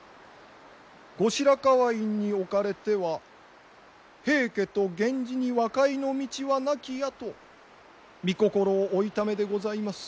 後白河院におかれては平家と源氏に和解の道はなきやとみ心をお痛めでございます。